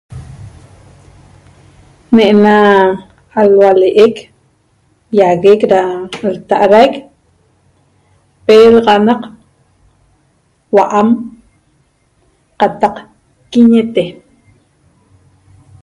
Ne'ena alhua le'ec iaguec ra lta'araic pelgaxanaq, hua'am qataq quiñete